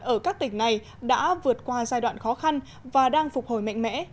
ở các tỉnh này đã vượt qua giai đoạn khó khăn và đang phục hồi mạnh mẽ